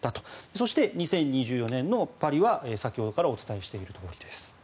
そして２０２４年のパリは先ほどからお伝えしているとおりです。